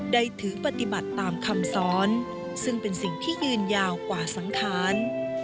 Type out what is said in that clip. ได้ถือปฏิบัติตามคำสอนซึ่งเป็นสิ่งที่ยืนยาวกว่าสังขาร